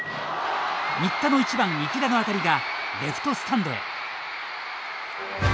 新田の１番池田の当たりがレフトスタンドへ。